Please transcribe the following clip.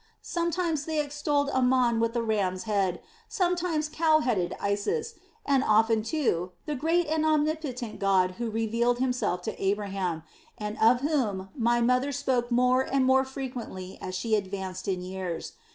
Sometimes they extolled Amon with the ram's head, sometimes cow headed Isis, and often, too, the great and omnipotent God who revealed Himself to Abraham, and of whom my mother spoke more and more frequently as she advanced in years.